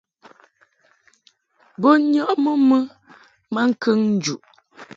Bo nyɔʼmɨ mɨ maŋkəŋ njuʼ.